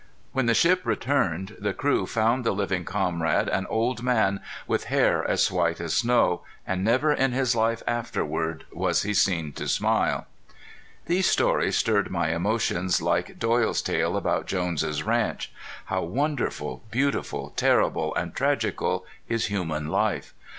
When the ship returned the crew found the living comrade an old man with hair as white as snow, and never in his life afterward was he seen to smile. These stories stirred my emotions like Doyle's tale about Jones' Ranch. How wonderful, beautiful, terrible and tragical is human life!